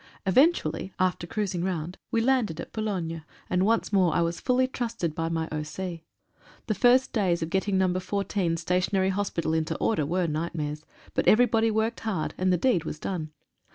Eventually, after cruising round we landed at Boulogne, and once more I was fully trusted by my O.C. The first days of getting No. 14 Stationary Hospital into order were nightmares, but everybody worked hard, and the deed was done.